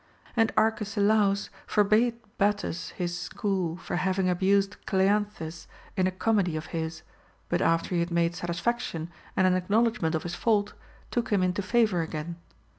And Arcesilaus forbade Battus his school for having abused Cleanthes in a comedy of his, but after he had made satisfaction and an acknowledgment of his fault, took him into favor again.